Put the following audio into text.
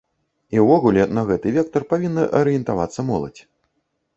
І увогуле на гэты вектар павінна арыентавацца моладзь.